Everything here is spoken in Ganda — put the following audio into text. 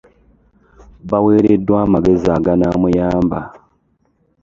Baweereddwa amagezi aganaamuyamba.